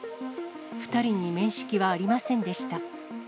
２人に面識はありませんでした。